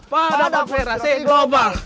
pada konspirasi global